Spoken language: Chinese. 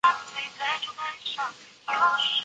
阿门多埃拉是葡萄牙布拉干萨区的一个堂区。